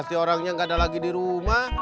apa sih orangnya gak ada lagi dirumah